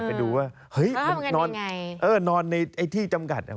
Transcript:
ไปดูว่าเฮ้ยมันนอนในที่จำกัด